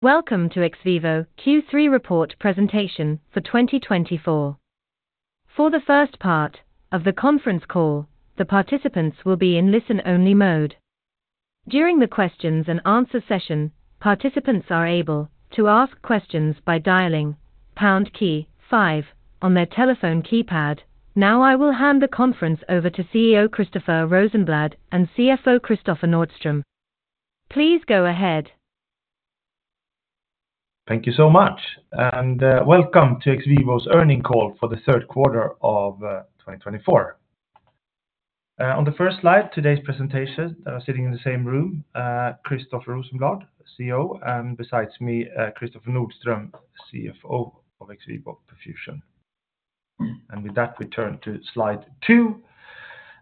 Welcome to XVIVO Q3 report presentation for 2024. For the first part of the conference call, the participants will be in listen-only mode. During the questions and answer session, participants are able to ask questions by dialing pound key five on their telephone keypad. Now, I will hand the conference over to CEO Christoffer Rosenblad and CFO Kristoffer Nordström. Please go ahead. Thank you so much, and welcome to XVIVO's earnings call for the third quarter of 2024. On the first slide, today's presentation, sitting in the same room, Christoffer Rosenblad, CEO, and besides me, Kristoffer Nordström, CFO of XVIVO Perfusion. With that, we turn to slide two,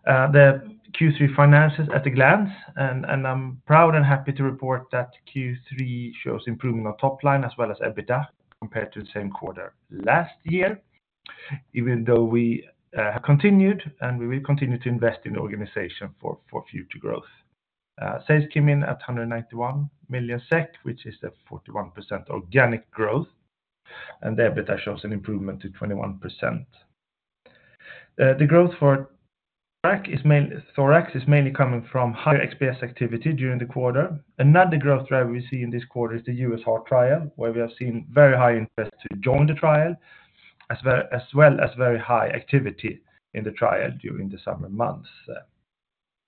the Q3 finances at a glance, and I'm proud and happy to report that Q3 shows improvement on top line as well as EBITDA, compared to the same quarter last year. Even though we have continued, and we will continue to invest in the organization for future growth. Sales came in at 191 million SEK, which is a 41% organic growth, and the EBITDA shows an improvement to 21%. The growth for the Thoracic is mainly coming from higher XPS activity during the quarter. Another growth driver we see in this quarter is the U.S. heart trial, where we have seen very high interest to join the trial, as well as very high activity in the trial during the summer months.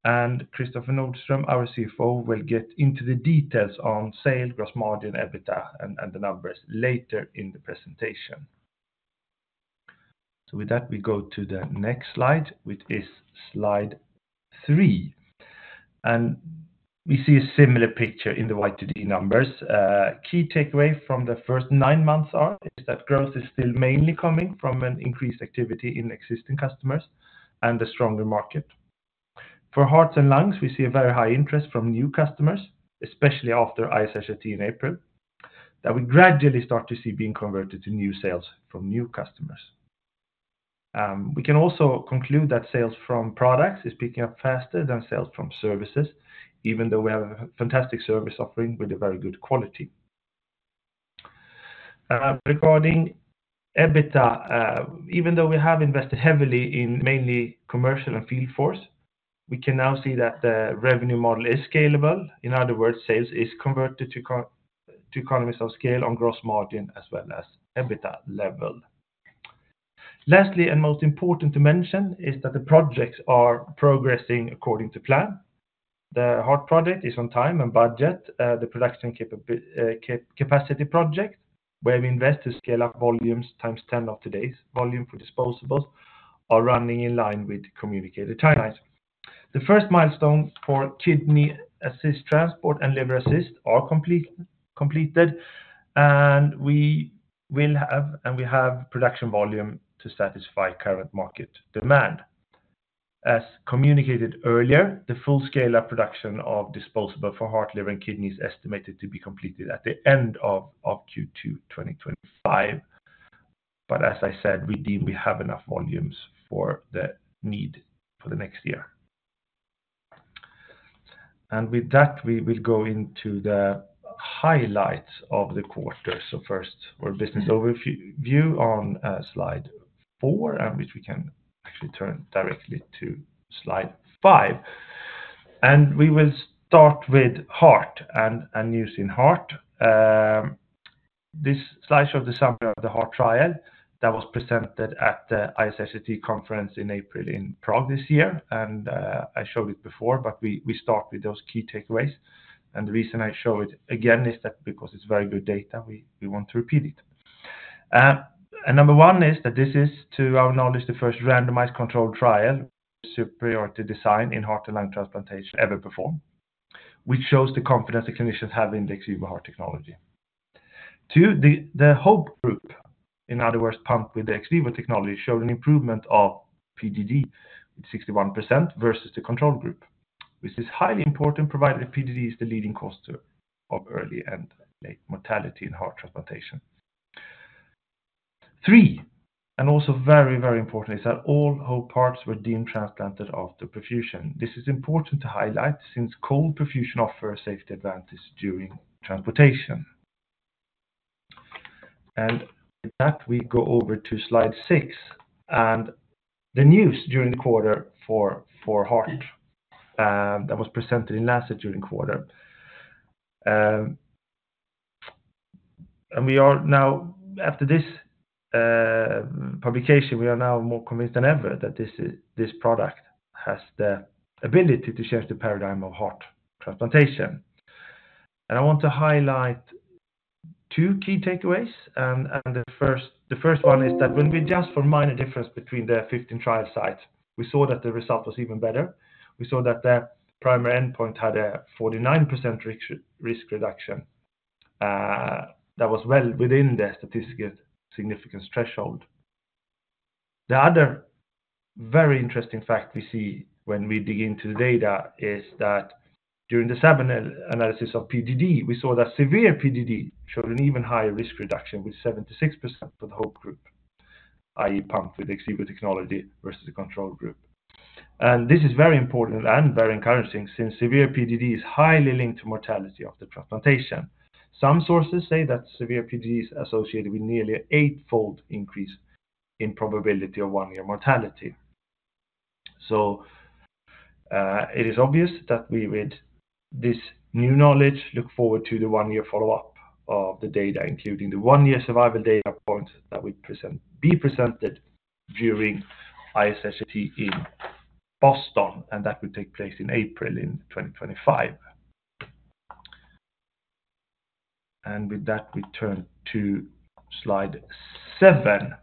Kristoffer Nordström, our CFO, will get into the details on sales, gross margin, EBITDA, and the numbers later in the presentation, so with that, we go to the next slide, which is slide three, and we see a similar picture in the YTD numbers. Key takeaway from the first nine months is that growth is still mainly coming from an increased activity in existing customers and a stronger market. For hearts and lungs, we see a very high interest from new customers, especially after ISHLT in April, that we gradually start to see being converted to new sales from new customers. We can also conclude that sales from products is picking up faster than sales from services, even though we have a fantastic service offering with a very good quality. Regarding EBITDA, even though we have invested heavily in mainly commercial and field force, we can now see that the revenue model is scalable. In other words, sales is converted to economies of scale on gross margin as well as EBITDA level. Lastly, and most important to mention, is that the projects are progressing according to plan. The heart project is on time and budget, the production capacity project, where we invest to scale up volumes times ten of today's volume for disposables, are running in line with communicated timelines. The first milestone for Kidney Assist Transport and Liver Assist is completed, and we have production volume to satisfy current market demand. As communicated earlier, the full scale of production of disposables for heart, liver, and kidney is estimated to be completed at the end of Q2 2025. But as I said, we deem we have enough volumes for the need for the next year. With that, we will go into the highlights of the quarter. First, our business overview on slide four, which we can actually turn directly to slide five. We will start with heart and using heart. This slide shows the summary of the heart trial that was presented at the ISHLT conference in April in Prague this year, and I showed it before, but we start with those key takeaways. The reason I show it again is that because it's very good data. We want to repeat it. Number one is that this is, to our knowledge, the first randomized controlled trial, superiority design in heart and lung transplantation ever performed, which shows the confidence the clinicians have in the XVIVO Heart technology. Two, the HOPE group, in other words, pump with the XVIVO technology, showed an improvement of PGD, 61% versus the control group, which is highly important, provided PGD is the leading cause of early and late mortality in heart transplantation. Three, and also very, very important, is that all hearts were deemed transplantable after perfusion. This is important to highlight since cold preservation offers a safety advantage during transportation. With that, we go over to slide six, and the news during the quarter for heart that was presented in Lancet during the quarter. And we are now, after this publication, we are now more convinced than ever that this is, this product has the ability to change the paradigm of heart transplantation. I want to highlight two key takeaways. And the first one is that when we adjust for minor difference between the 15 trial sites, we saw that the result was even better. We saw that the primary endpoint had a 49% risk reduction that was well within the statistical significance threshold. The other very interesting fact we see when we dig into the data is that during the seven analysis of PGD, we saw that severe PGD showed an even higher risk reduction, with 76% for the whole group, i.e., pumped with the XVIVO technology versus the control group. And this is very important and very encouraging, since severe PGD is highly linked to mortality after transplantation. Some sources say that severe PGD is associated with nearly an eightfold increase in probability of one-year mortality. So, it is obvious that we with this new knowledge, look forward to the one-year follow-up of the data, including the one-year survival data point that we present- be presented during ISHLT in Boston, and that will take place in April in 2025. And with that, we turn to slide seven.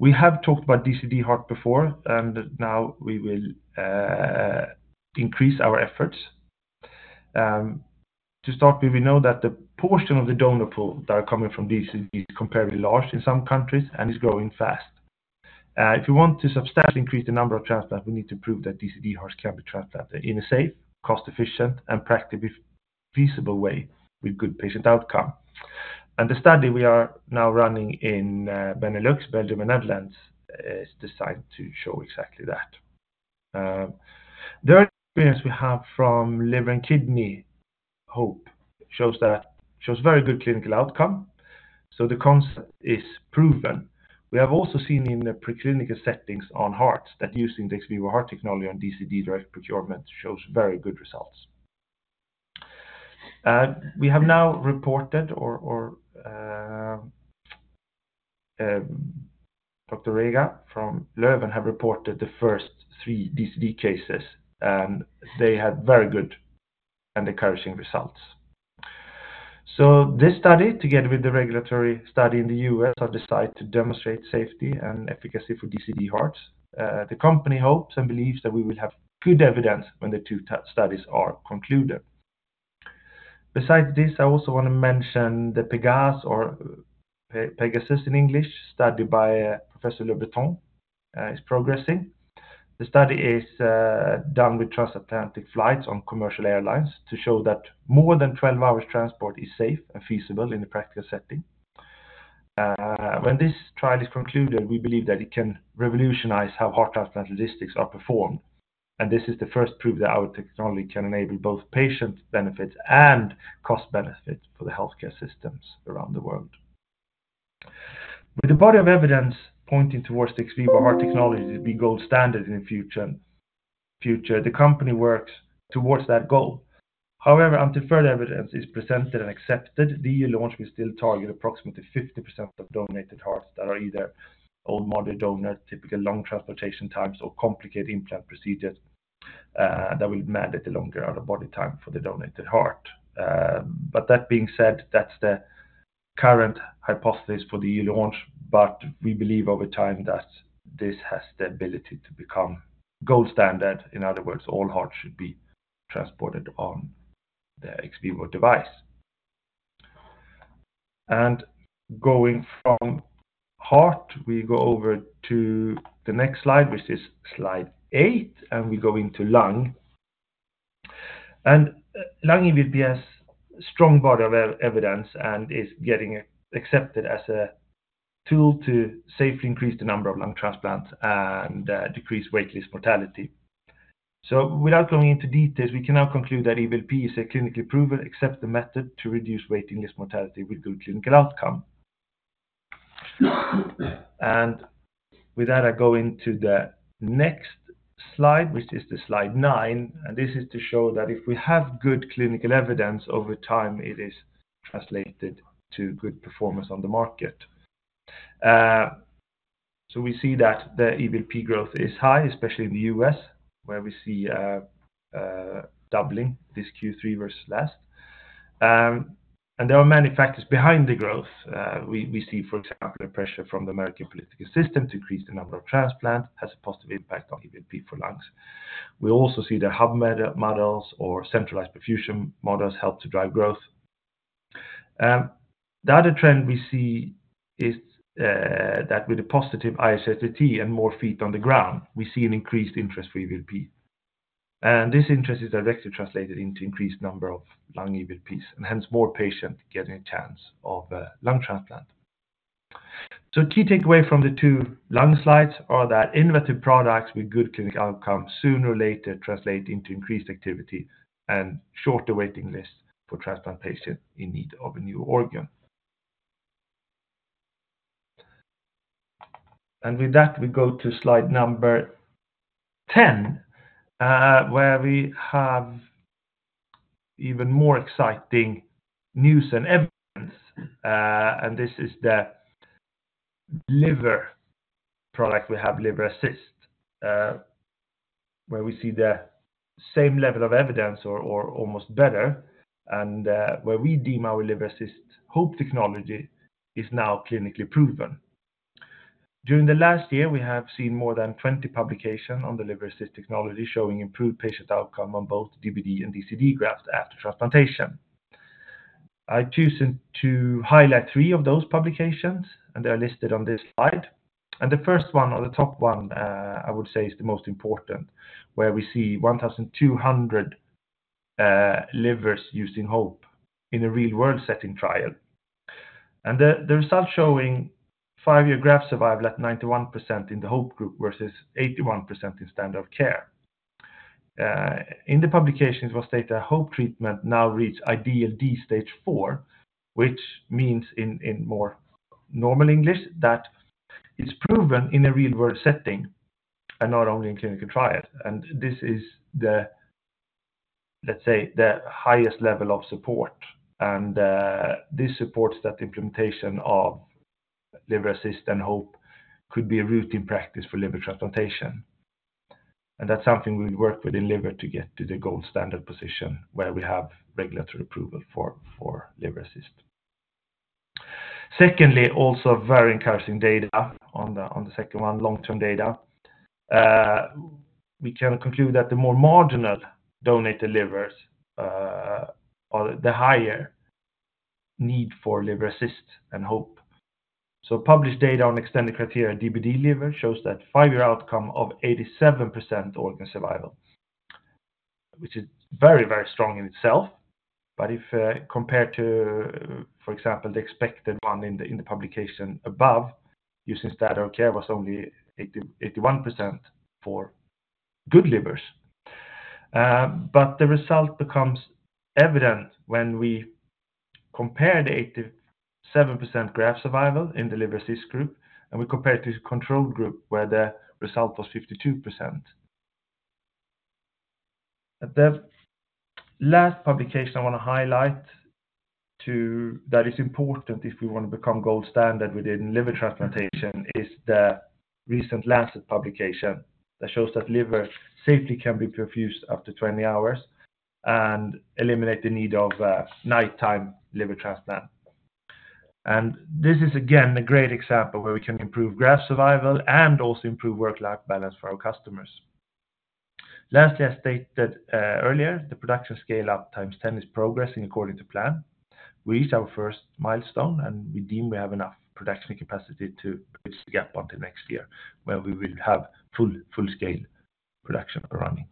We have talked about DCD heart before, and now we will increase our efforts. To start with, we know that the portion of the donor pool that are coming from DCD is comparatively large in some countries and is growing fast. If you want to substantially increase the number of transplants, we need to prove that DCD hearts can be transplanted in a safe, cost-efficient, and practically feasible way with good patient outcome. And the study we are now running in Benelux, Belgium, and Netherlands, is designed to show exactly that. The experience we have from liver and kidney HOPE shows very good clinical outcome, so the concept is proven. We have also seen in the preclinical settings on hearts, that using the XVIVO Heart technology on DCD direct procurement shows very good results. Dr. Rega from Leuven have reported the first three DCD cases, and they had very good and encouraging results. This study, together with the regulatory study in the U.S., have decided to demonstrate safety and efficacy for DCD hearts. The company hopes and believes that we will have good evidence when the two test studies are concluded. Besides this, I also want to mention the Pegase or Pegasus in English, study by Professor Lebreton, is progressing. The study is done with transatlantic flights on commercial airlines to show that more than 12 hours transport is safe and feasible in a practical setting. When this trial is concluded, we believe that it can revolutionize how heart transplant logistics are performed, and this is the first proof that our technology can enable both patient benefits and cost benefits for the healthcare systems around the world. With the body of evidence pointing towards the XVIVO Heart technology to be gold standard in the future, the company works towards that goal. However, until further evidence is presented and accepted, the EU launch, we still target approximately 50% of donated hearts that are either old model donors, typical lung transplantation times, or complicated implant procedures, that will mandate a longer out-of-body time for the donated heart. But that being said, that's the current hypothesis for the EU launch, but we believe over time that this has the ability to become gold standard. In other words, all hearts should be transported on the XVIVO device. And going from heart, we go over to the next slide, which is slide eight, and we go into lung. And lung EVLP has strong body of evidence and is getting accepted as a tool to safely increase the number of lung transplants and decrease waitlist mortality. So without going into details, we can now conclude that EVLP is a clinically proven, accepted method to reduce waiting list mortality with good clinical outcome. And with that, I go into the next slide, which is the slide nine, and this is to show that if we have good clinical evidence over time, it is translated to good performance on the market. So we see that the EVLP growth is high, especially in the U.S., where we see doubling this Q3 versus last. And there are many factors behind the growth. We see, for example, the pressure from the American political system to increase the number of transplants has a positive impact on EVLP for lungs. We also see the hub-and-spoke models or centralized perfusion models help to drive growth. The other trend we see is that with a positive ISHLT and more feet on the ground, we see an increased interest for EVLP. And this interest is directly translated into increased number of lung EVLPs, and hence more patients getting a chance of lung transplant. So key takeaway from the two lung slides are that innovative products with good clinical outcome, sooner or later, translate into increased activity and shorter waiting lists for transplant patients in need of a new organ. With that, we go to slide number 10, where we have even more exciting news and evidence. This is the liver product. We have Liver Assist, where we see the same level of evidence or almost better, and where we deem our Liver Assist HOPE technology is now clinically proven. During the last year, we have seen more than 20 publications on the Liver Assist technology, showing improved patient outcome on both DBD and DCD grafts after transplantation. I've chosen to highlight three of those publications, and they are listed on this slide. The first one, or the top one, I would say, is the most important, where we see 1,200 livers using HOPE in a real-world setting trial. The results showing five-year graft survival at 91% in the HOPE group, versus 81% in standard care. In the publications, it was stated that HOPE treatment now reach IDEAL stage 4, which means in more normal English, that it's proven in a real-world setting and not only in clinical trial, and this is the, let's say, highest level of support, and this supports that implementation of Liver Assist and HOPE could be a routine practice for liver transplantation, and that's something we work with in liver to get to the gold standard position, where we have regulatory approval for Liver Assist. Secondly, also very encouraging data on the second one, long-term data. We can conclude that the more marginal donor livers or the higher need for Liver Assist and HOPE, so published data on extended criteria DBD liver shows that five-year outcome of 87% organ survival, which is very, very strong in itself. But if compared to, for example, the expected one in the publication above, using standard care was only 80%-81% for good livers. But the result becomes evident when we compare the 87% graft survival in the Liver Assist group, and we compare it to the control group, where the result was 52%. The last publication I wanna highlight that is important if we want to become gold standard within liver transplantation is the recent Lancet publication that shows that liver safely can be perfused up to 20 hours and eliminate the need of nighttime liver transplant. And this is again a great example where we can improve graft survival and also improve work-life balance for our customers. Lastly, I stated earlier, the production scale up 10 is progressing according to plan. We reached our first milestone, and we deem we have enough production capacity to bridge the gap until next year, where we will have full, full-scale production running.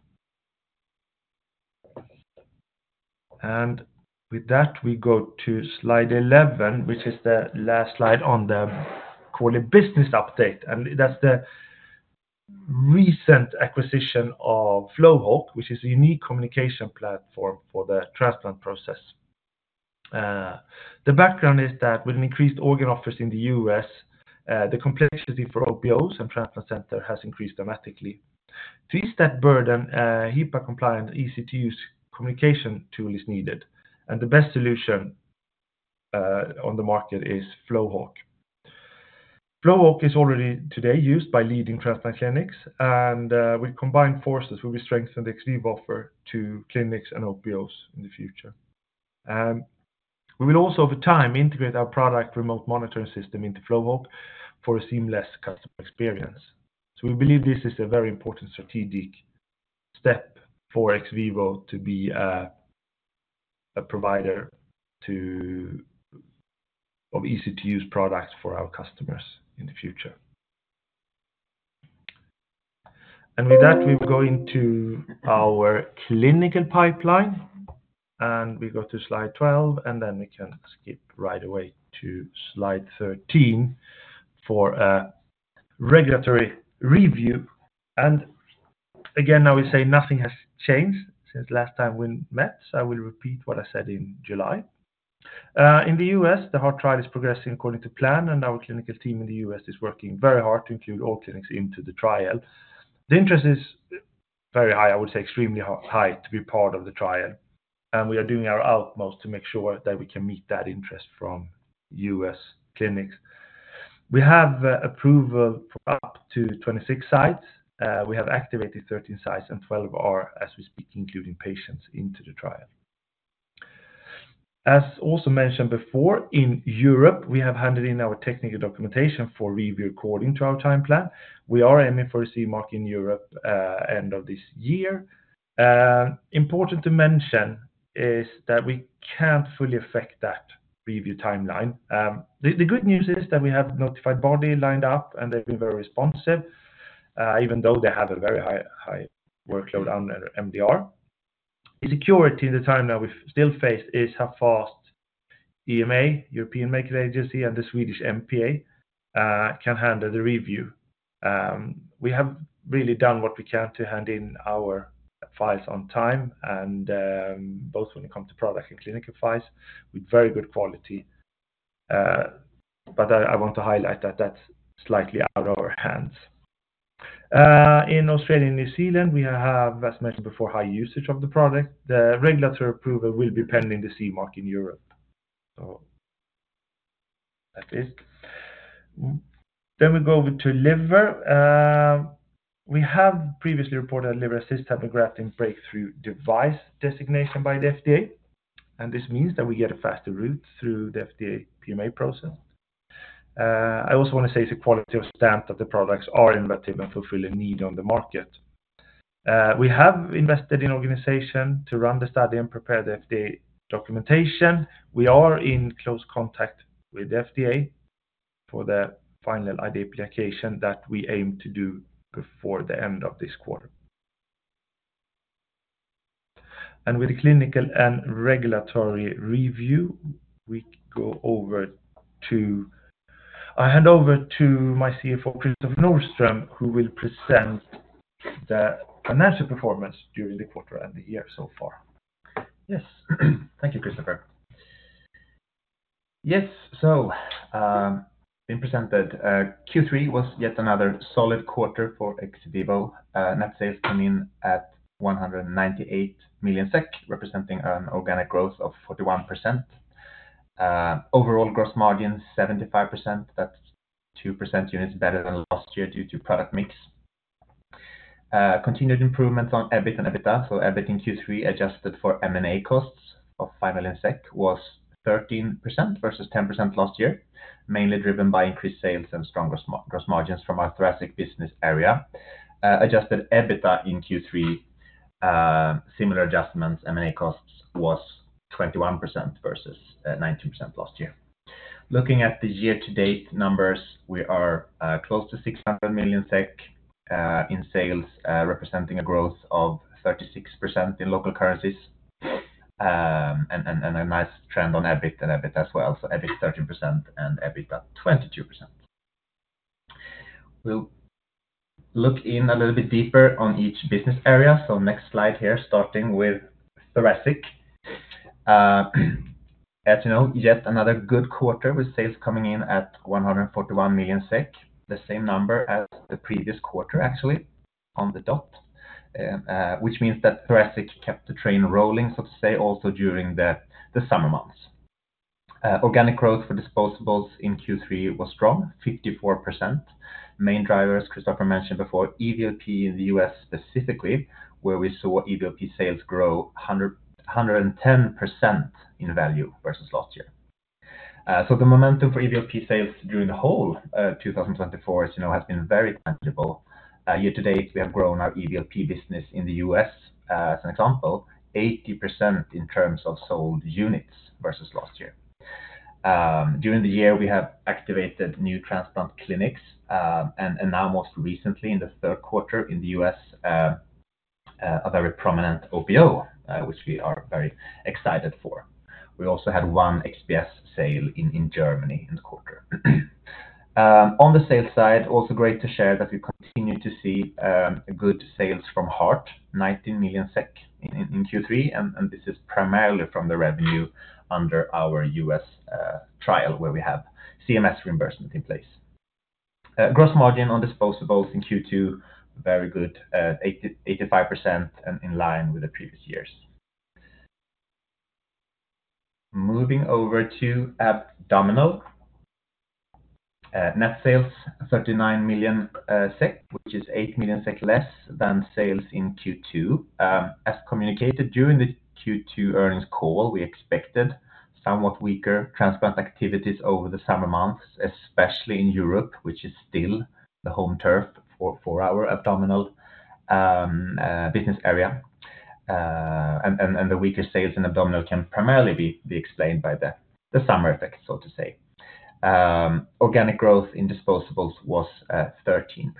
And with that, we go to slide 11, which is the last slide on the call, the business update, and that's the recent acquisition of Flowhawk, which is a unique communication platform for the transplant process. The background is that with an increased organ offers in the U.S., the complexity for OPOs and transplant centers has increased dramatically. To ease that burden, a HIPAA-compliant, easy-to-use communication tool is needed, and the best solution on the market is Flowhawk. Flowhawk is already today used by leading transplant clinics, and we combine forces where we strengthen the XVIVO offer to clinics and OPOs in the future. We will also, over time, integrate our product remote monitoring system into Flowhawk for a seamless customer experience. So we believe this is a very important strategic step for XVIVO to be a provider of easy-to-use products for our customers in the future. With that, we will go into our clinical pipeline, and we go to slide 12, and then we can skip right away to slide 13 for a regulatory review. Again, I will say nothing has changed since last time we met, so I will repeat what I said in July. In the U.S., the heart trial is progressing according to plan, and our clinical team in the U.S. is working very hard to include all clinics into the trial. The interest is very high, I would say extremely high, to be part of the trial, and we are doing our utmost to make sure that we can meet that interest from U.S. clinics. We have approval for up to 26 sites. We have activated 13 sites, and 12 are, as we speak, including patients into the trial. As also mentioned before, in Europe, we have handed in our technical documentation for review according to our time plan. We are aiming for a CE mark in Europe, end of this year. Important to mention is that we can't fully affect that review timeline. The good news is that we have notified body lined up, and they've been very responsive, even though they have a very high workload on their MDR. The security in the time that we still face is how fast EMA, European Medicines Agency, and the Swedish MPA can handle the review. We have really done what we can to hand in our files on time and, both when it comes to product and clinical files, with very good quality. But I want to highlight that that's slightly out of our hands. In Australia and New Zealand, we have, as mentioned before, high usage of the product. The regulatory approval will be pending the CE mark in Europe. So that's it. Then we go over to liver. We have previously reported a Liver Assist have a Breakthrough Device Designation by the FDA, and this means that we get a faster route through the FDA PMA process. I also want to say it's a quality stamp that the products are innovative and fulfill a need on the market. We have invested in organization to run the study and prepare the FDA documentation. We are in close contact with the FDA for the final IDE application that we aim to do before the end of this quarter. With the clinical and regulatory review, I hand over to my CFO, Kristoffer Nordström, who will present the financial performance during the quarter and the year so far. Yes. Thank you, Christoffer. Yes, so being presented, Q3 was yet another solid quarter for XVIVO. Net sales come in at 198 million SEK, representing an organic growth of 41%. Overall gross margin, 75%, that's 2% points better than last year due to product mix. Continued improvements on EBIT and EBITDA. So EBIT in Q3, adjusted for M&A costs of SEK 5 million, was 13% versus 10% last year, mainly driven by increased sales and stronger gross margins from our thoracic business area. Adjusted EBITDA in Q3, similar adjustments, M&A costs was 21% versus 19% last year. Looking at the year-to-date numbers, we are close to 600 million SEK in sales, representing a growth of 36% in local currencies. And a nice trend on EBIT and EBITDA as well. So EBIT 13% and EBITDA 22%. We'll look in a little bit deeper on each business area. So next slide here, starting with thoracic. As you know, yet another good quarter with sales coming in at 141 million SEK, the same number as the previous quarter, actually, on the dot. Which means that thoracic kept the train rolling, so to say, also during the summer months. Organic growth for disposables in Q3 was strong, 54%. Main drivers, Christoffer mentioned before, EVLP in the U.S specifically, where we saw EVLP sales grow 110% in value versus last year. So the momentum for EVLP sales during the whole 2024, as you know, has been very tangible. Year to date, we have grown our EVLP business in the U.S., as an example, 80% in terms of sold units versus last year. During the year, we have activated new transplant clinics, and now, most recently in the third quarter in the U.S., a very prominent OPO, which we are very excited for. We also had one XPS sale in Germany in the quarter. On the sales side, also great to share that we continue to see good sales from heart, 90 million SEK in Q3, and this is primarily from the revenue under our U.S. trial, where we have CMS reimbursement in place. Gross margin on disposables in Q2, very good, 85% and in line with the previous years. Moving over to abdominal. Net sales, 39 million SEK, which is 8 million SEK less than sales in Q2. As communicated during the Q2 earnings call, we expected somewhat weaker transplant activities over the summer months, especially in Europe, which is still the home turf for our abdominal business area and the weaker sales in abdominal can primarily be explained by the summer effect, so to say. Organic growth in disposables was 13%.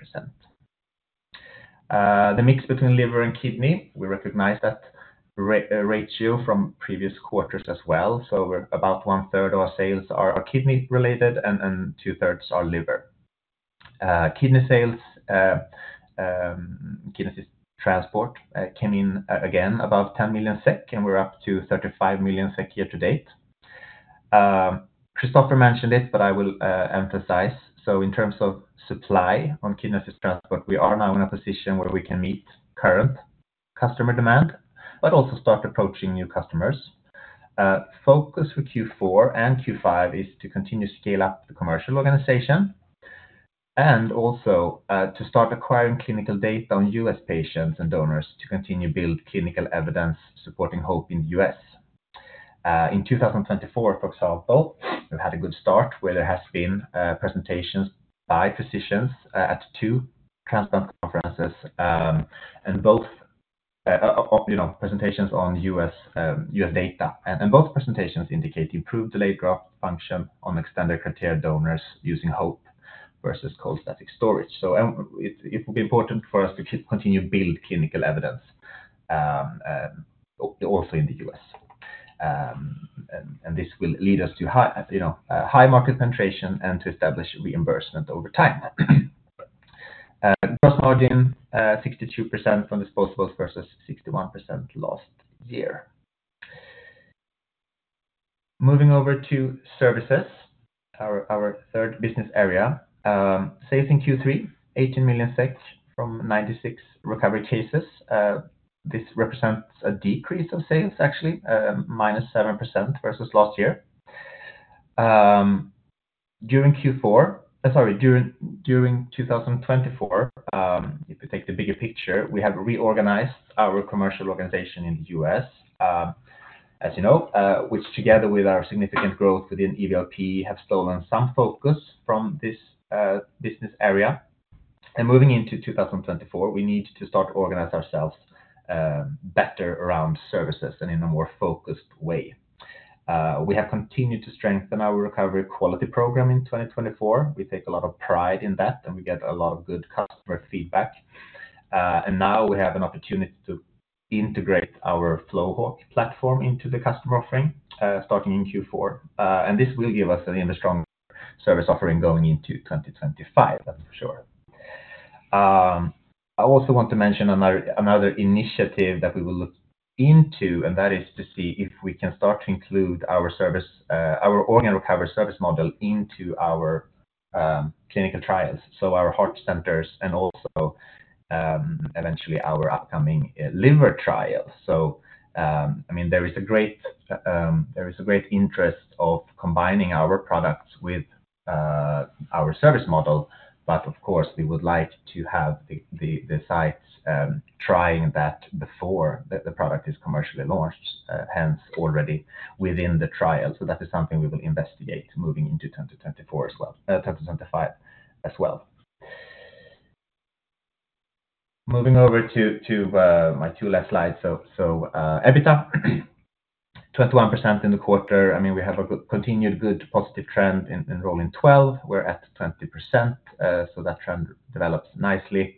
The mix between liver and kidney, we recognize that ratio from previous quarters as well. We're about one third of our sales are kidney related, and two thirds are liver. Kidney sales, Kidney Assist Transport, came in again, about 10 million SEK, and we're up to 35 million SEK year to date. Christoffer mentioned it, but I will emphasize so in terms of supply on Kidney Assist Transport, we are now in a position where we can meet current customer demand, but also start approaching new customers. Focus for Q4 and Q5 is to continue to scale up the commercial organization, and also to start acquiring clinical data on U.S. patients and donors to continue to build clinical evidence supporting HOPE in the U.S. In 2024, for example, we've had a good start where there has been presentations by physicians at two transplant conferences, and both, you know, presentations on U.S. data. Both presentations indicate improved Delayed Graft Function on extended criteria donors using HOPE versus cold static storage. It will be important for us to continue to build clinical evidence, also in the U.S. And this will lead us to high, you know, high market penetration and to establish reimbursement over time. Gross margin 62% from disposables versus 61% last year. Moving over to services, our third business area. Sales in Q3, 18 million from 96 recovery cases. This represents a decrease of sales, actually, minus 7% versus last year. During Q4 2024, if you take the bigger picture, we have reorganized our commercial organization in the U.S., as you know, which together with our significant growth within EVLP, have stolen some focus from this business area. And moving into 2024, we need to start organize ourselves better around services and in a more focused way. We have continued to strengthen our recovery quality program in 2024. We take a lot of pride in that, and we get a lot of good customer feedback. And now we have an opportunity to integrate our Flowhawk platform into the customer offering, starting in Q4. And this will give us an even stronger service offering going into 2025, that's for sure. I also want to mention another initiative that we will look into, and that is to see if we can start to include our service, our organ recovery service model into our clinical trials, so our heart centers and also eventually our upcoming liver trial. So, I mean, there is a great interest of combining our products with our service model, but of course, we would like to have the sites trying that before the product is commercially launched, hence already within the trial. So that is something we will investigate moving into 2024 as well, 2025 as well. Moving over to my two last slides. So, EBITDA, 21% in the quarter. I mean, we have a good continued positive trend in rolling twelve, we're at 20%, so that trend develops nicely.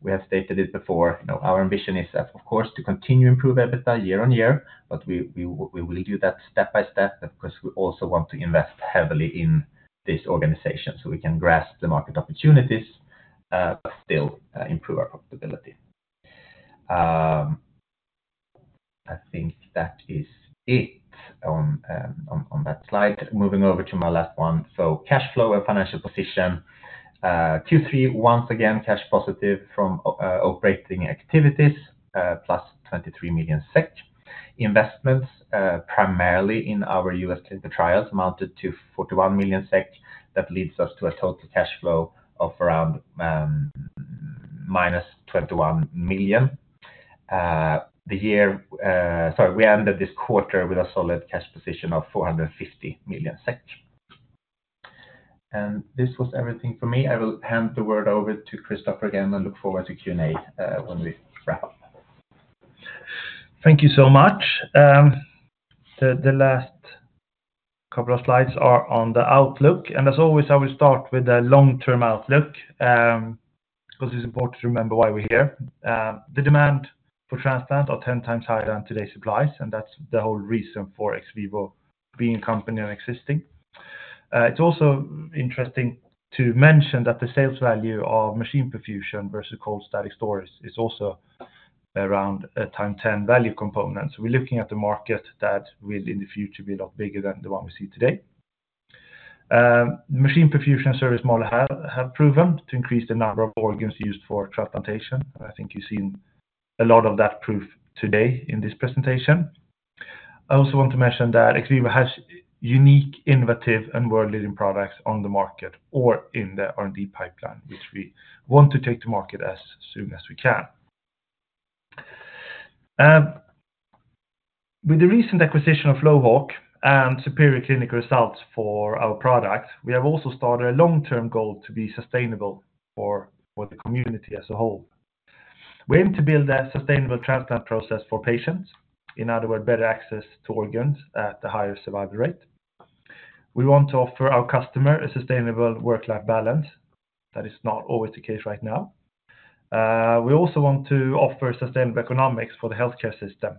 We have stated it before, you know, our ambition is, of course, to continue to improve EBITDA year on year, but we will do that step by step. Of course, we also want to invest heavily in this organization so we can grasp the market opportunities, but still improve our profitability. I think that is it on that slide. Moving over to my last one, so cash flow and financial position. Q3, once again, cash positive from operating activities, plus 23 million SEK. Investments, primarily in our U.S. clinical trials, amounted to 41 million SEK. That leads us to a total cash flow of around minus SEK 21 million. The year, Sorry, we ended this quarter with a solid cash position of 450 million SEK. And this was everything for me. I will hand the word over to Christoffer again and look forward to Q&A, when we wrap up. Thank you so much. The last couple of slides are on the outlook, and as always, I will start with the long-term outlook, because it's important to remember why we're here. The demand for transplant are ten times higher than today's supplies, and that's the whole reason for XVIVO being a company and existing. It's also interesting to mention that the sales value of machine perfusion versus cold static storage is also around a ten times value component. So we're looking at the market that will, in the future, be a lot bigger than the one we see today. Machine perfusion service model have proven to increase the number of organs used for transplantation. I think you've seen a lot of that proof today in this presentation. I also want to mention that XVIVO has unique, innovative, and world-leading products on the market or in the R&D pipeline, which we want to take to market as soon as we can. With the recent acquisition of Flowhawk and superior clinical results for our products, we have also started a long-term goal to be sustainable for the community as a whole. We aim to build a sustainable transplant process for patients, in other words, better access to organs at a higher survival rate. We want to offer our customer a sustainable work-life balance. That is not always the case right now. We also want to offer sustainable economics for the healthcare system.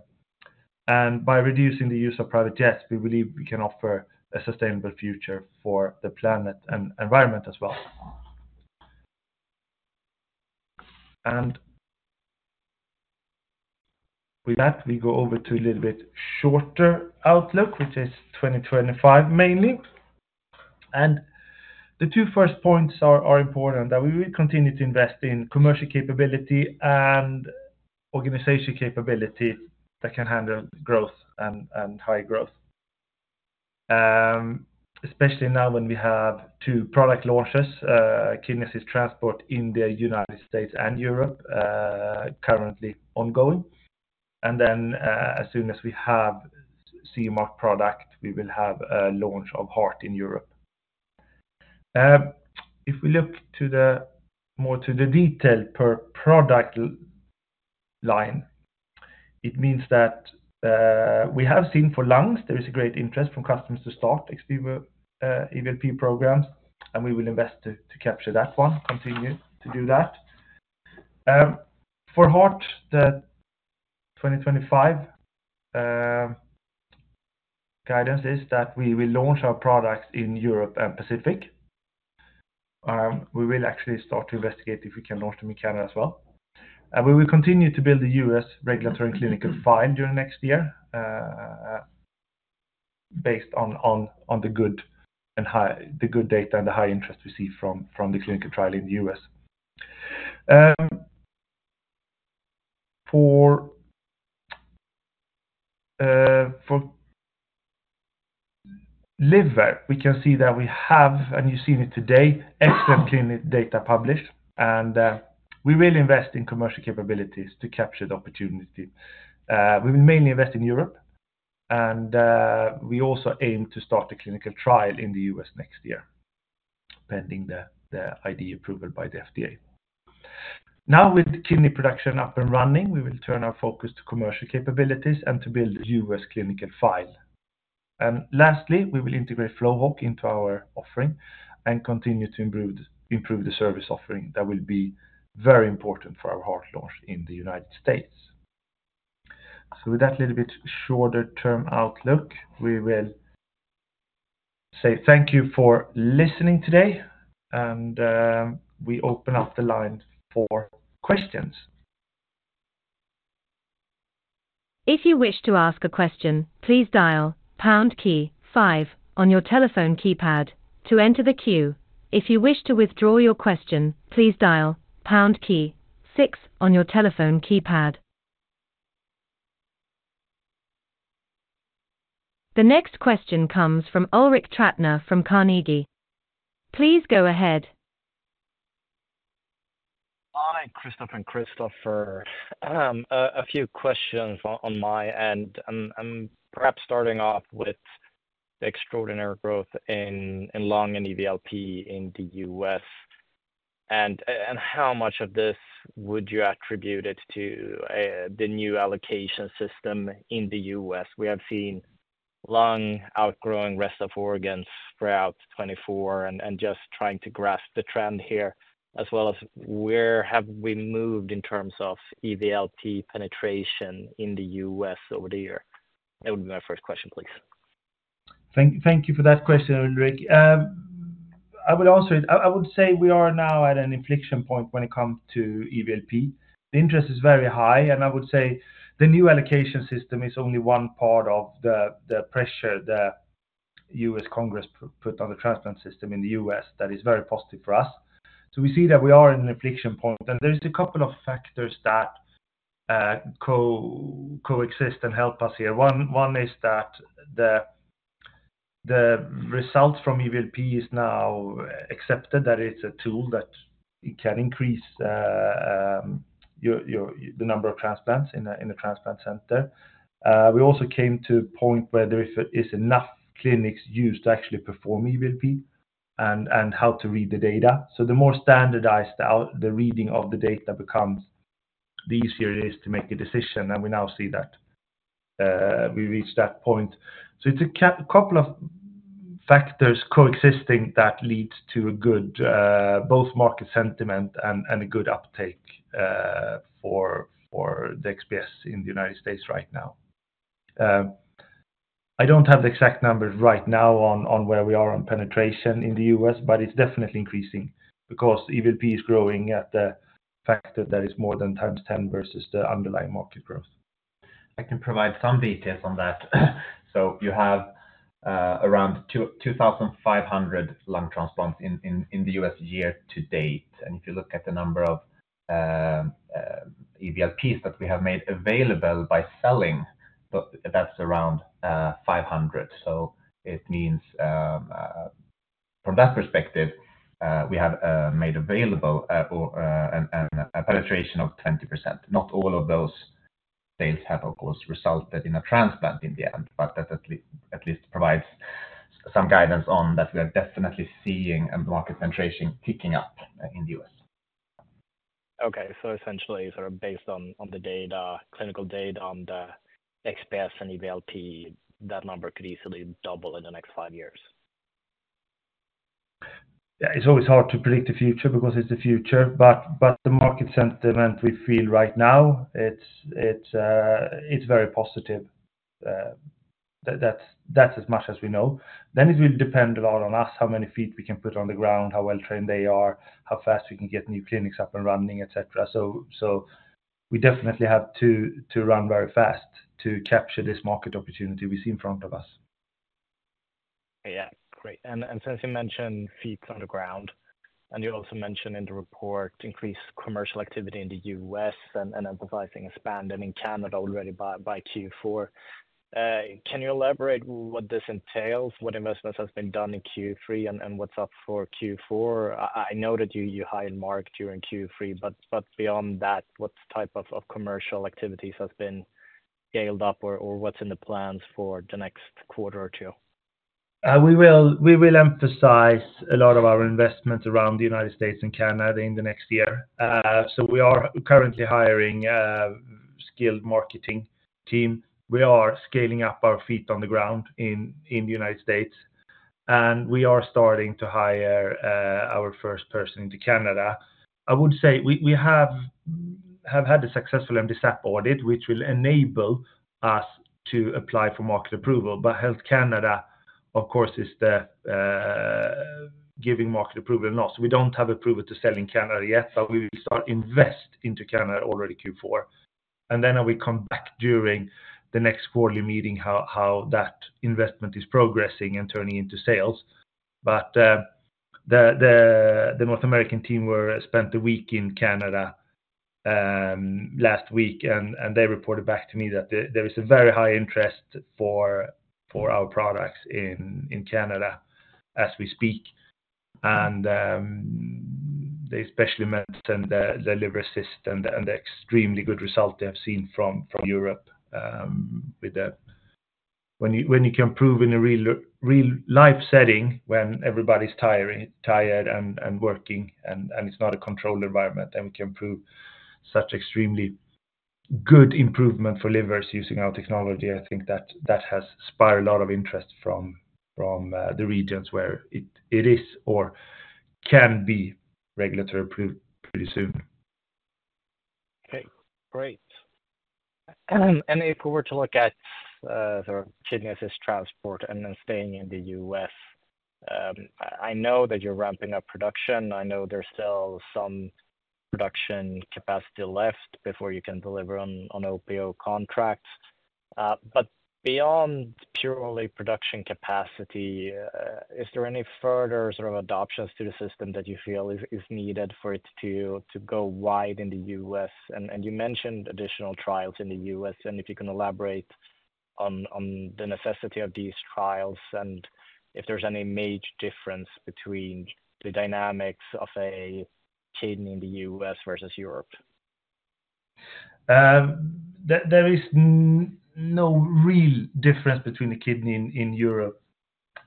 And by reducing the use of private jets, we believe we can offer a sustainable future for the planet and environment as well. And with that, we go over to a little bit shorter outlook, which is 2025, mainly. The two first points are important, that we will continue to invest in commercial capability and organization capability that can handle growth and high growth. Especially now when we have two product launches, Kidney Assist Transport in the United States and Europe, currently ongoing. And then, as soon as we have CE mark product, we will have a launch of heart in Europe. If we look to the more to the detail per product line, it means that we have seen for lungs, there is a great interest from customers to start XVIVO EVLP programs, and we will invest to capture that one, continue to do that. For heart, the 2025 guidance is that we will launch our products in Europe and Pacific. We will actually start to investigate if we can launch them in Canada as well, and we will continue to build the U.S. regulatory and clinical file during next year, based on the good data and the high interest we see from the clinical trial in the U.S. For liver, we can see that we have, and you've seen it today, excellent clinical data published, and we will invest in commercial capabilities to capture the opportunity. We will mainly invest in Europe, and we also aim to start a clinical trial in the U.S. next year, pending the IDE approval by the FDA. Now, with kidney production up and running, we will turn our focus to commercial capabilities and to build U.S. clinical file. And lastly, we will integrate Flowhawk into our offering and continue to improve the service offering that will be very important for our heart launch in the United States. So with that little bit shorter term outlook, we will say thank you for listening today, and we open up the line for questions. If you wish to ask a question, please dial pound key five on your telephone keypad to enter the queue. If you wish to withdraw your question, please dial pound key six on your telephone keypad. The next question comes from Ulrik Trattner from Carnegie. Please go ahead. Hi, Christoffer and Kristoffer. A few questions on my end. I'm perhaps starting off with the extraordinary growth in lung and EVLP in the U.S., and how much of this would you attribute it to the new allocation system in the U.S.? We have seen lung outgrowing rest of organs throughout 2024, and just trying to grasp the trend here, as well as where have we moved in terms of EVLP penetration in the U.S. over the year? That would be my first question, please. Thank you for that question, Ulrik. I will answer it. I would say we are now at an inflection point when it comes to EVLP. The interest is very high, and I would say the new allocation system is only one part of the pressure the U.S. Congress put on the transplant system in the U.S. that is very positive for us. So we see that we are in an inflection point, and there's a couple of factors that coexist and help us here. One is that the results from EVLP is now accepted, that it's a tool that it can increase your the number of transplants in a transplant center. We also came to a point where there is enough clinics used to actually perform EVLP and how to read the data. So the more standardized out the reading of the data becomes, the easier it is to make a decision, and we now see that we reached that point. So it's a couple of factors coexisting that lead to a good both market sentiment and a good uptake for the XPS in the United States right now. I don't have the exact numbers right now on where we are on penetration in the U.S., but it's definitely increasing because EVLP is growing at the factor that is more than times ten versus the underlying market growth. I can provide some details on that. So you have around 2,500 lung transplants in the U.S. year to date. And if you look at the number of EVLPs that we have made available by selling, but that's around five hundred. So it means from that perspective we have made available or a penetration of 20%. Not all of those things have, of course, resulted in a transplant in the end, but that at least provides some guidance on that we are definitely seeing a market penetration picking up in the U.S. Okay, so essentially, sort of based on the data, clinical data on the XPS and EVLP, that number could easily double in the next five years. Yeah, it's always hard to predict the future because it's the future, but the market sentiment we feel right now, it's very positive. That's as much as we know. Then it will depend a lot on us, how many feet we can put on the ground, how well trained they are, how fast we can get new clinics up and running, et cetera. So we definitely have to run very fast to capture this market opportunity we see in front of us. Yeah. Great. And since you mentioned feet on the ground, and you also mentioned in the report increased commercial activity in the U.S. and emphasizing expanding in Canada already by Q4. Can you elaborate what this entails, what investments has been done in Q3 and what's up for Q4? I know that you hired Mark during Q3, but beyond that, what type of commercial activities has been scaled up or what's in the plans for the next quarter or two? We will emphasize a lot of our investments around the United States and Canada in the next year. So we are currently hiring skilled marketing team. We are scaling up our feet on the ground in the United States, and we are starting to hire our first person into Canada. I would say we have had a successful MDSAP audit, which will enable us to apply for market approval. But Health Canada, of course, is the giving market approval or not. So we don't have approval to sell in Canada yet, but we will start invest into Canada already Q4. And then we come back during the next quarterly meeting, how that investment is progressing and turning into sales. But the North American team spent a week in Canada last week, and they reported back to me that there is a very high interest for our products in Canada as we speak, and they especially mentioned the Liver Assist and the extremely good result they have seen from Europe with when you can prove in a real-life setting, when everybody's tired and working and it's not a controlled environment, and we can prove such extremely good improvement for livers using our technology. I think that has spurred a lot of interest from the regions where it is or can be regulatory approved pretty soon. Okay, great. And if we were to look at sort of Kidney Assist Transport and then staying in the U.S., I know that you're ramping up production. I know there's still some production capacity left before you can deliver on OPO contracts. But beyond purely production capacity, is there any further sort of adaptations to the system that you feel is needed for it to go wide in the U.S.? And you mentioned additional trials in the U.S., and if you can elaborate on the necessity of these trials and if there's any major difference between the dynamics of a kidney in the U.S. versus Europe. There is no real difference between a kidney in Europe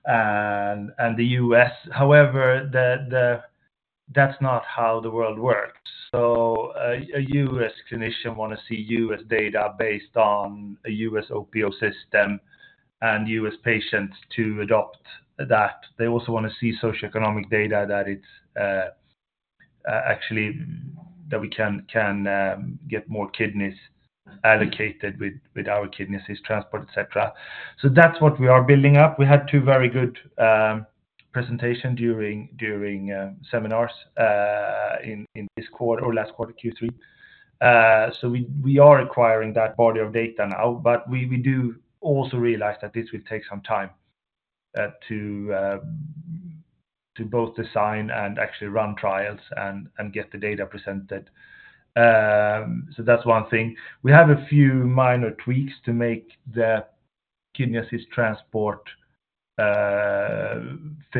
and the U.S., However, that's not how the world works. So a U.S. clinician wanna see U.S. data based on a U.S. OPO system and U.S.patients to adopt that. They also want to see socioeconomic data, that it's actually that we can get more kidneys allocated with our Kidney Assist Transport, etc. So that's what we are building up. We had two very good presentation during seminars in this quarter or last quarter, Q3. So we are acquiring that body of data now, but we do also realize that this will take some time to both design and actually run trials and get the data presented. So that's one thing. We have a few minor tweaks to make the Kidney Assist Transport fit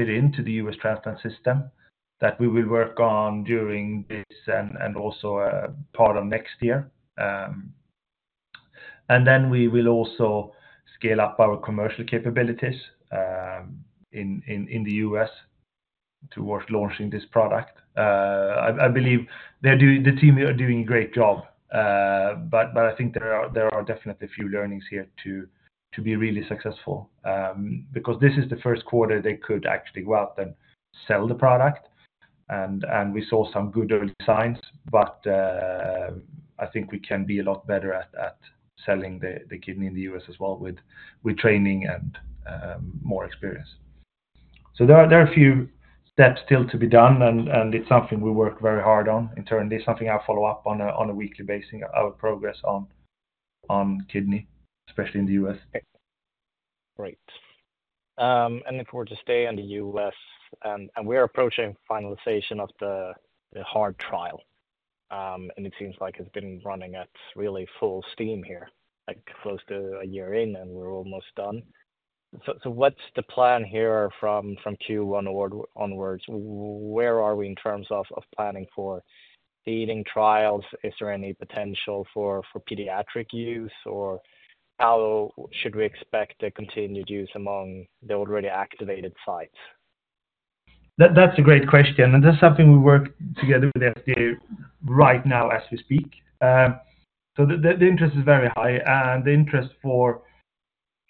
into the U.S. transplant system that we will work on during this and also part of next year. And then we will also scale up our commercial capabilities in the U.S. towards launching this product. I believe the team here are doing a great job, but I think there are definitely a few learnings here to be really successful. Because this is the first quarter they could actually go out and sell the product. And we saw some good early signs, but I think we can be a lot better at selling the kidney in the U.S. as well, with training and more experience. There are a few steps still to be done, and it's something we work very hard on. Internally, it's something I follow up on a weekly basis, our progress on kidney, especially in the U.S. Great. And if we were to stay in the U.S., and we are approaching finalization of the heart trial. And it seems like it's been running at really full steam here, like close to a year in, and we're almost done. So, what's the plan here from Q1 award onwards, where are we in terms of planning for leading trials? Is there any potential for pediatric use, or how should we expect continued use among the already activated sites? That, that's a great question, and that's something we work together with the FDA right now as we speak. So the interest is very high, and the interest for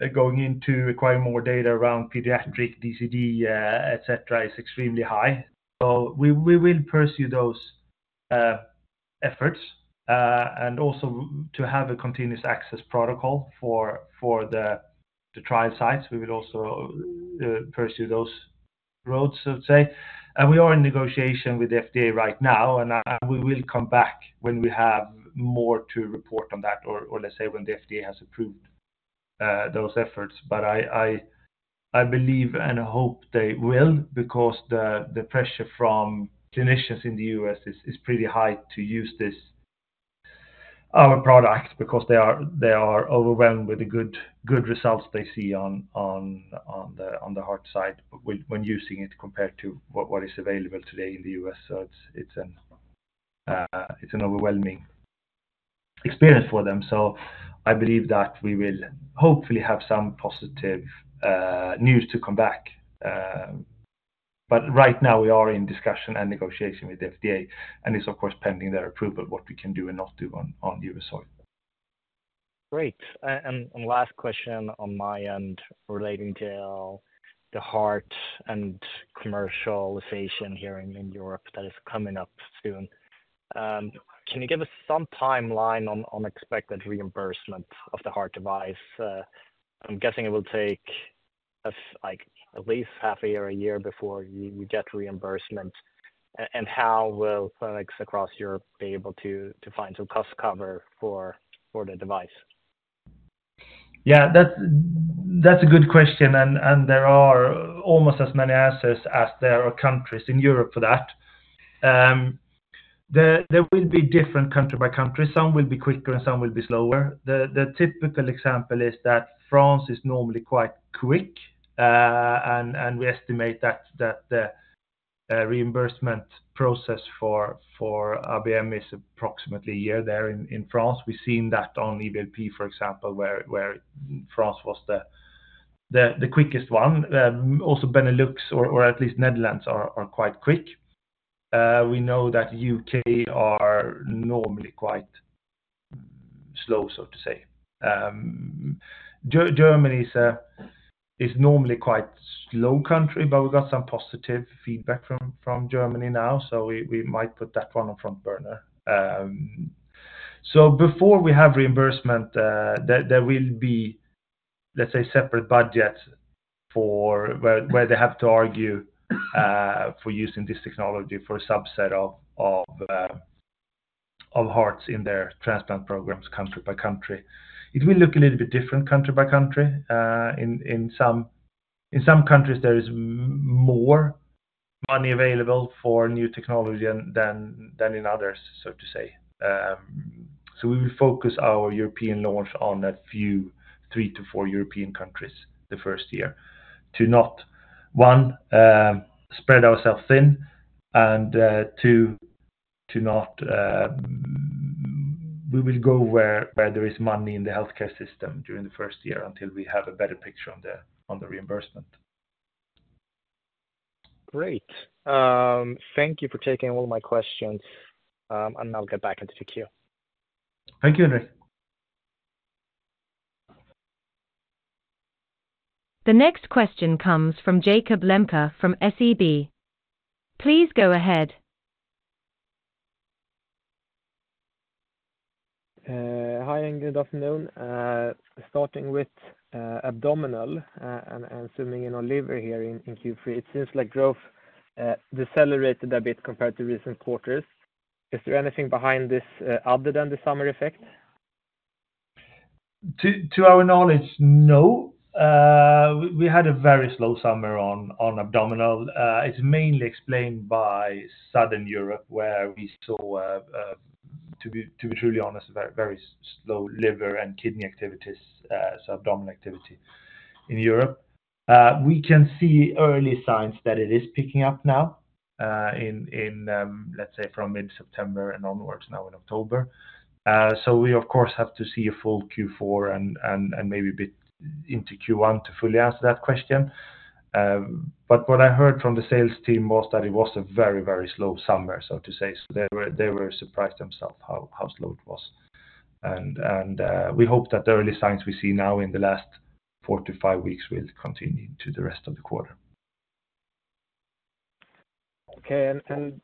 going into acquire more data around pediatric, DCD, et cetera, is extremely high. So we will pursue those efforts, and also to have a Continuous Access Protocol for the trial sites. We will also pursue those roads, so to say. And we are in negotiation with the FDA right now, and we will come back when we have more to report on that, or let's say, when the FDA has approved those efforts. But I believe and hope they will, because the pressure from clinicians in the U.S. is pretty high to use this, our product, because they are overwhelmed with the good results they see on the heart side when using it compared to what is available today in the U.S. So it's an overwhelming experience for them. So I believe that we will hopefully have some positive news to come back, but right now we are in discussion and negotiation with the FDA, and it's of course pending their approval, what we can do and not do on the U.S. soil. Great. And last question on my end, relating to the heart and commercialization here in Europe that is coming up soon. Can you give us some timeline on expected reimbursement of the heart device? I'm guessing it will take us, like, at least half a year or a year before you get reimbursement. And how will clinics across Europe be able to find some cost cover for the device? Yeah, that's a good question, and there are almost as many answers as there are countries in Europe for that. There will be different country by country. Some will be quicker and some will be slower. The typical example is that France is normally quite quick, and we estimate that reimbursement process for ABM is approximately a year there in France. We've seen that on EVLP, for example, where France was the quickest one. Also Benelux or at least Netherlands are quite quick. We know that UK are normally quite slow, so to say. Germany is normally quite slow country, but we got some positive feedback from Germany now, so we might put that one on front burner. So before we have reimbursement, there will be, let's say, separate budgets for where they have to argue for using this technology for a subset of hearts in their transplant programs, country by country. It will look a little bit different country by country. In some countries, there is more money available for new technology than in others, so to say. So we will focus our European launch on a few, three to four European countries the first year, to not spread ourselves thin and, two, to not. We will go where there is money in the healthcare system during the first year until we have a better picture on the reimbursement. Great. Thank you for taking all my questions, and I'll get back into the queue. Thank you, Henrik. The next question comes from Jakob Lemke from SEB. Please go ahead. Hi, and good afternoon. Starting with abdominal, and zooming in on liver here in Q3, it seems like growth decelerated a bit compared to recent quarters. Is there anything behind this other than the summer effect? To our knowledge, no. We had a very slow summer on abdominal. It's mainly explained by Southern Europe, where we saw, to be truly honest, a very, very slow liver and kidney activities, so abdominal activity in Europe. We can see early signs that it is picking up now, in let's say, from mid-September and onwards now in October. So we of course have to see a full Q4 and maybe a bit into Q1 to fully answer that question. But what I heard from the sales team was that it was a very, very slow summer, so to say. They were surprised themselves how slow it was. We hope that the early signs we see now in the last four to five weeks will continue into the rest of the quarter. Okay. And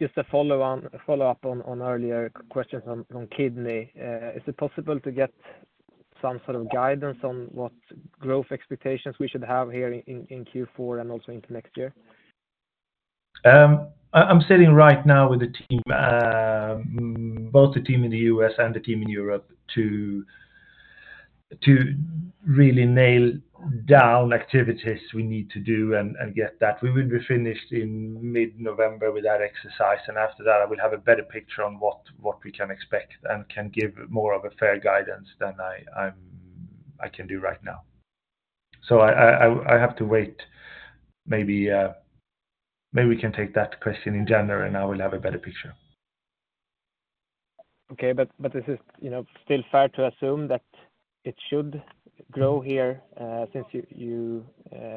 just a follow-up on earlier questions on kidney, is it possible to get some sort of guidance on what growth expectations we should have here in Q4 and also into next year? I'm sitting right now with the team, both the team in the U.S. and the team in Europe, to really nail down activities we need to do and get that. We will be finished in mid-November with that exercise, and after that, I will have a better picture on what we can expect and can give more of a fair guidance than I can do right now. I have to wait. Maybe we can take that question in January, and I will have a better picture. Okay, but is it, you know, still fair to assume that it should grow here, since you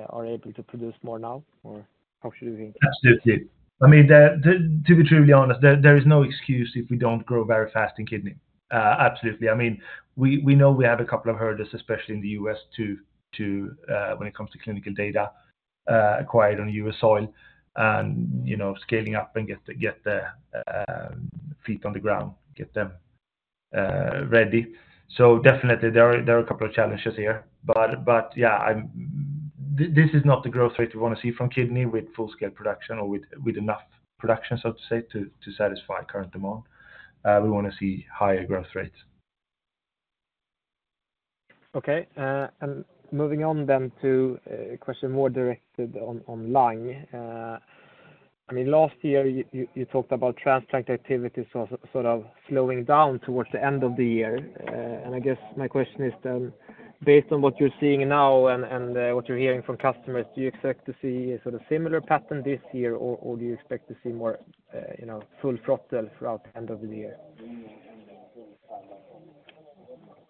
are able to produce more now, or how should we think? Absolutely. I mean, to be truly honest, there is no excuse if we don't grow very fast in kidney. Absolutely. I mean, we know we have a couple of hurdles, especially in the U.S., too, when it comes to clinical data acquired on U.S. soil and, you know, scaling up and get the feet on the ground, get them ready, so definitely, there are a couple of challenges here, but yeah, this is not the growth rate we want to see from kidney with full-scale production or with enough production, so to say, to satisfy current demand. We want to see higher growth rates. Okay. And moving on then to a question more directed on lung. I mean, last year, you talked about transplant activities sort of slowing down towards the end of the year. And I guess my question is then, based on what you're seeing now and what you're hearing from customers, do you expect to see a sort of similar pattern this year, or do you expect to see more, you know, full throttle throughout the end of the year?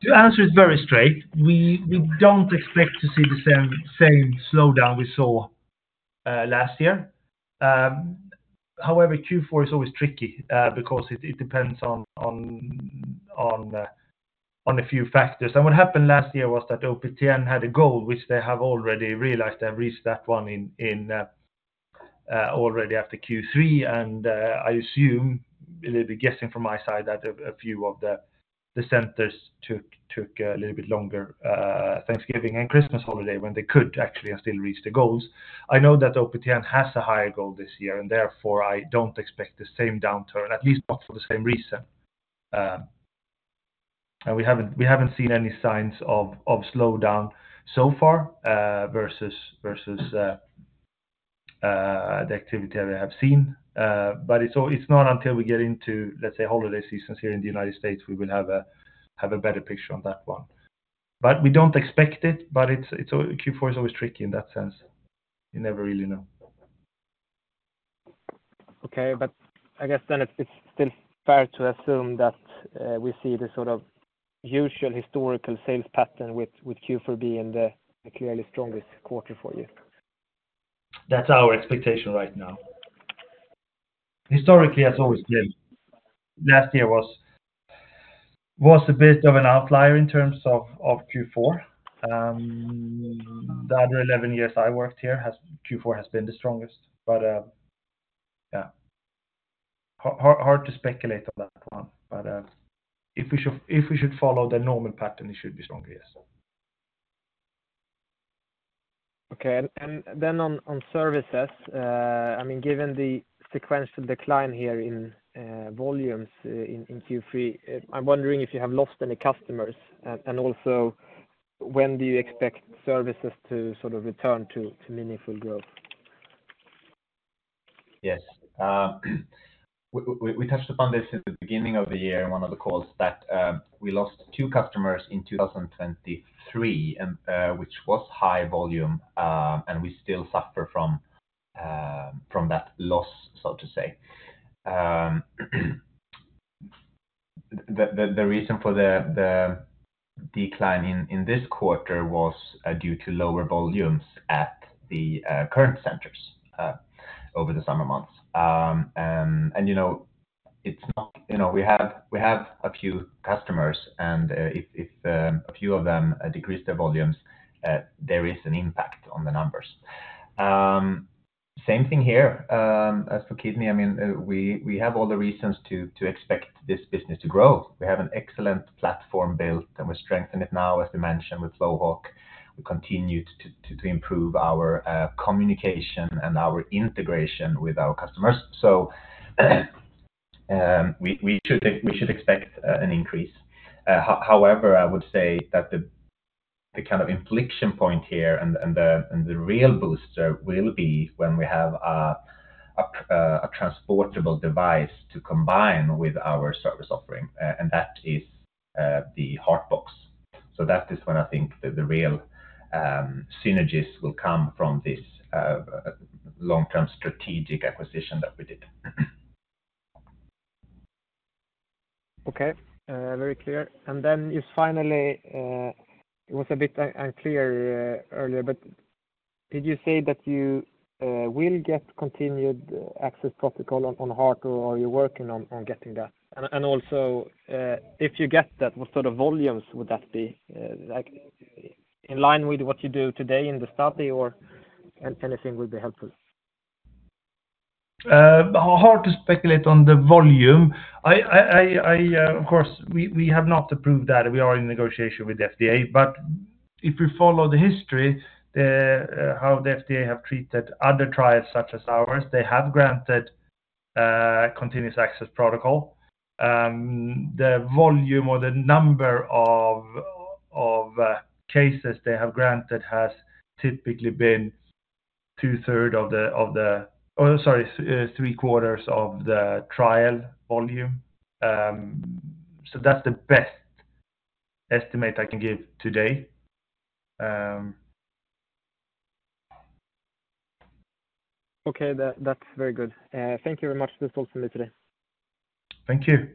To answer it very straight, we don't expect to see the same slowdown we saw last year. However, Q4 is always tricky because it depends on a few factors. What happened last year was that OPTN had a goal, which they have already realized and reached that one already after Q3. I assume, a little bit guessing from my side, that a few of the centers took a little bit longer Thanksgiving and Christmas holiday, when they could actually and still reach the goals. I know that OPTN has a higher goal this year, and therefore, I don't expect the same downturn, at least not for the same reason. And we haven't seen any signs of slowdown so far versus the activity I have seen. But it's not until we get into, let's say, holiday seasons here in the United States we will have a better picture on that one. But we don't expect it. Q4 is always tricky in that sense. You never really know. Okay, but I guess then it's still fair to assume that we see the sort of usual historical sales pattern with Q4 being the clearly strongest quarter for you? That's our expectation right now. Historically, it's always been. Last year was a bit of an outlier in terms of Q4. The other 11 years I worked here, Q4 has been the strongest. But, yeah, hard to speculate on that one. But, if we should follow the normal pattern, it should be stronger, yes. Okay. Then on services, I mean, given the sequential decline here in volumes in Q3, I'm wondering if you have lost any customers? Also, when do you expect services to sort of return to meaningful growth? Yes. We touched upon this at the beginning of the year, in one of the calls that we lost two customers in 2023, and which was high volume, and we still suffer from that loss, so to say. The reason for the decline in this quarter was due to lower volumes at the current centers over the summer months, and you know, it's not—you know, we have a few customers, and if a few of them decrease their volumes, there is an impact on the numbers. Same thing here, as for kidney. I mean, we have all the reasons to expect this business to grow. We have an excellent platform built, and we strengthen it now, as we mentioned, with Flowhawk. We continue to improve our communication and our integration with our customers. So, we should expect an increase. However, I would say that the kind of inflection point here and the real booster will be when we have a transportable device to combine with our service offering, and that is the heart box. So that is when I think the real synergies will come from this long-term strategic acquisition that we did. Okay, very clear. And then just finally, it was a bit unclear earlier, but did you say that you will get Continued Access Protocol on heart, or are you working on getting that? And also, if you get that, what sort of volumes would that be? Like, in line with what you do today in the study or... Anything would be helpful. Hard to speculate on the volume. Of course, we have not approved that. We are in negotiation with the FDA. But if you follow the history, how the FDA have treated other trials such as ours, they have granted Continuous Access Protocol. The volume or the number of cases they have granted has typically been three quarters of the trial volume. So that's the best estimate I can give today. Okay, that, that's very good. Thank you very much. That's all for me today. Thank you.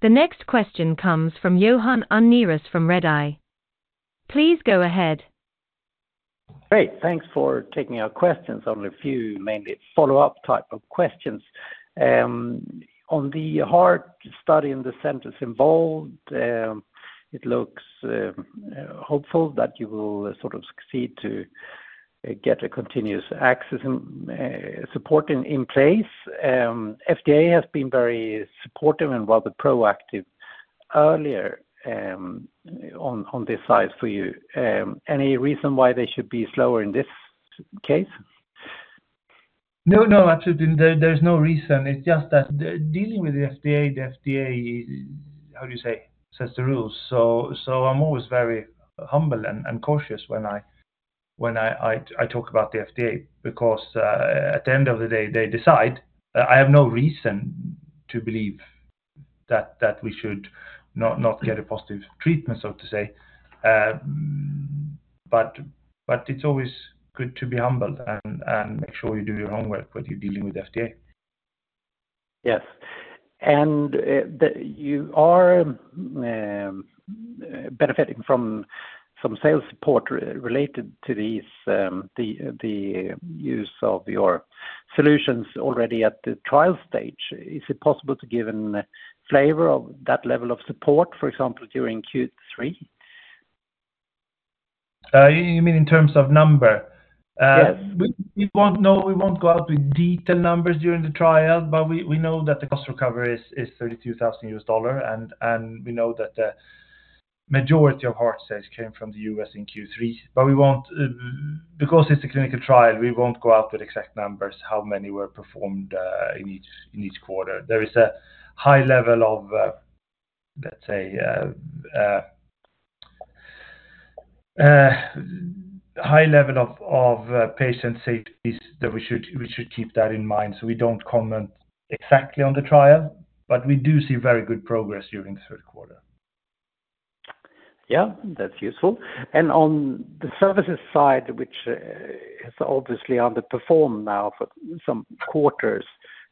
The next question comes from Johan Unnerus from Redeye. Please go ahead. Great, thanks for taking our questions. Only a few, mainly follow-up type of questions. On the heart study and the centers involved, it looks hopeful that you will sort of succeed to get a continuous access and support in place. FDA has been very supportive and rather proactive earlier on this side for you. Any reason why they should be slower in this case? No, no, absolutely, there, there's no reason. It's just that dealing with the FDA, the FDA, how do you say, sets the rules. So, I'm always very humble and cautious when I talk about the FDA, because at the end of the day, they decide. I have no reason to believe that we should not get a positive treatment, so to say. But it's always good to be humbled and make sure you do your homework when you're dealing with FDA. Yes. And you are benefiting from some sales support related to these, the use of your solutions already at the trial stage. Is it possible to give a flavor of that level of support, for example, during Q3? You mean in terms of number? Yes. We won't know, we won't go out with detailed numbers during the trial, but we know that the cost recovery is $32,000, and we know that majority of heart sales came from the U.S. in Q3, but because it's a clinical trial, we won't go out with exact numbers how many were performed in each quarter. There is a high level of, let's say, patient safety that we should keep that in mind so we don't comment exactly on the trial, but we do see very good progress during the third quarter. Yeah, that's useful. And on the services side, which has obviously underperformed now for some quarters,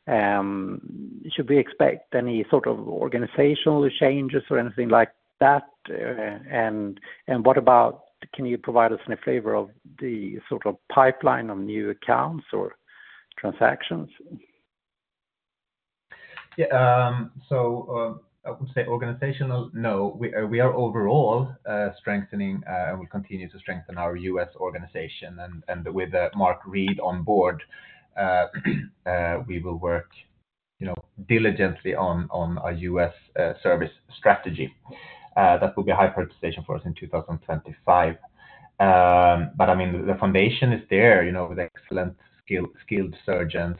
should we expect any sort of organizational changes or anything like that? And what about, can you provide us any flavor of the sort of pipeline of new accounts or transactions? Yeah, so, I would say organizational, no. We are overall strengthening, and we continue to strengthen our U.S. organization. And with Mark Reed on board, we will work, you know, diligently on our U.S. service strategy. That will be a high prioritization for us in 2025. But I mean, the foundation is there, you know, with excellent skilled surgeons.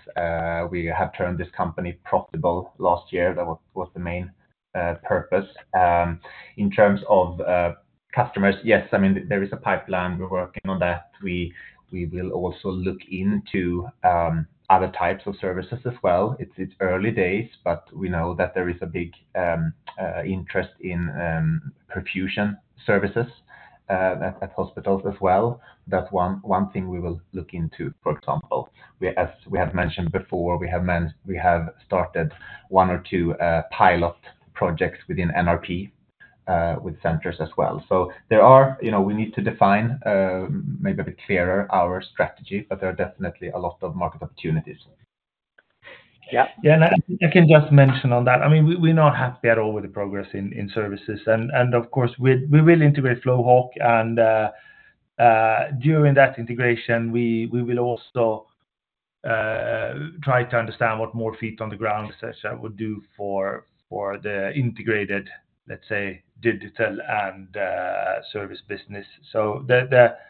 We have turned this company profitable last year. That was the main purpose. In terms of customers, yes, I mean, there is a pipeline. We're working on that. We will also look into other types of services as well. It's early days, but we know that there is a big interest in perfusion services at hospitals as well. That's one thing we will look into, for example, whereas we have mentioned before, we have started one or two pilot projects within NRP with centers as well. So, you know, we need to define maybe a bit clearer our strategy, but there are definitely a lot of market opportunities. Yeah. Yeah, and I can just mention on that. I mean, we're not happy at all with the progress in services, and of course, we will integrate Flowhawk and during that integration, we will also try to understand what more feet on the ground, as such, I would do for the integrated, let's say, digital and service business. So there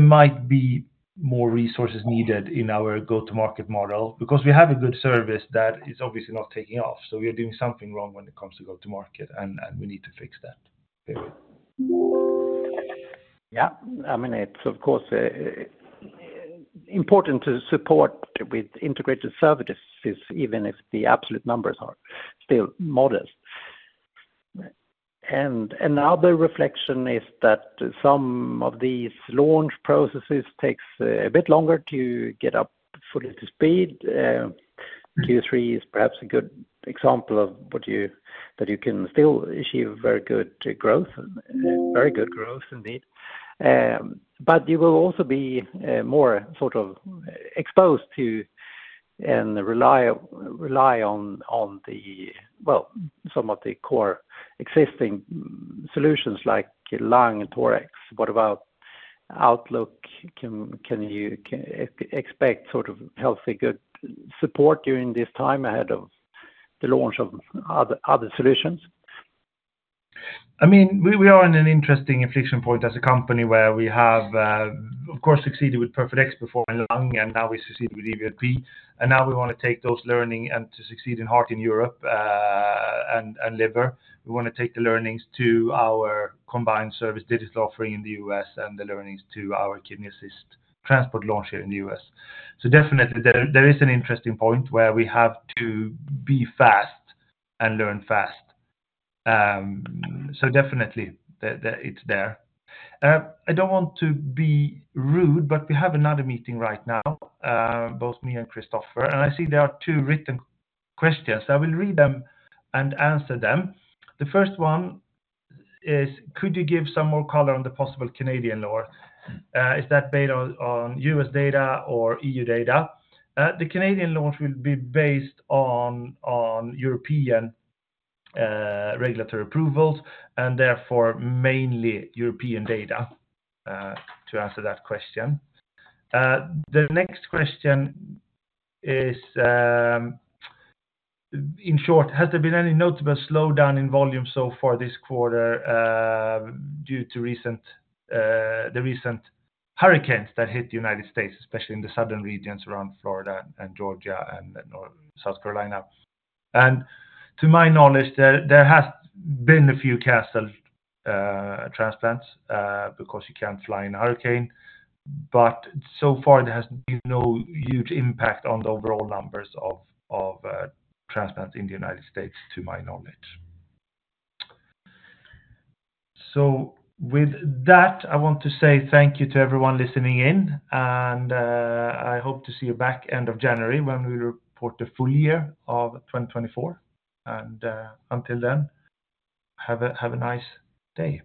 might be more resources needed in our go-to-market model because we have a good service that is obviously not taking off. So we are doing something wrong when it comes to go to market, and we need to fix that. Yeah. I mean, it's of course important to support with integrated services, even if the absolute numbers are still modest. And another reflection is that some of these launch processes takes a bit longer to get up fully to speed. Q3 is perhaps a good example of what you- that you can still achieve very good growth, very good growth indeed. But you will also be more sort of exposed to and rely on the... well, some of the core existing solutions like lung and thorax. What about outlook? Can you expect sort of healthy, good support during this time ahead of the launch of other solutions? I mean, we are in an interesting inflection point as a company where we have, of course, succeeded with Perfadex before in lung, and now we succeeded with EVLP. And now we wanna take those learning and to succeed in heart in Europe, and liver. We wanna take the learnings to our combined service digital offering in the U.S. and the learnings to our Kidney Assist Transport launch here in the U.S., So definitely there is an interesting point where we have to be fast and learn fast. So definitely it's there. I don't want to be rude, but we have another meeting right now, both me and Christoffer, and I see there are two written questions. I will read them and answer them. The first one is: Could you give some more color on the possible Canadian law? Is that based on U.S. data or EU data? The Canadian launch will be based on European regulatory approvals and therefore, mainly European data, to answer that question. The next question is, in short, has there been any notable slowdown in volume so far this quarter, due to recent hurricanes that hit the United States, especially in the southern regions around Florida and Georgia and North Carolina and South Carolina? And to my knowledge, there has been a few canceled transplants, because you can't fly in a hurricane, but so far there has been no huge impact on the overall numbers of transplants in the United States, to my knowledge. So with that, I want to say thank you to everyone listening in, and I hope to see you back end of January when we report the full year of 2024. And until then, have a nice day.